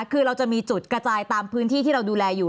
คือเราจะมีจุดกระจายตามพื้นที่ที่เราดูแลอยู่